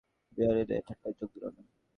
বিহারীও এ ঠাট্টায় যোগ দিল না।